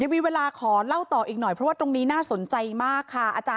มีเวลาขอเล่าต่ออีกหน่อยเพราะว่าตรงนี้น่าสนใจมากค่ะอาจารย